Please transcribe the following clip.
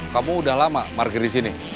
kamu udah lama parkir di sini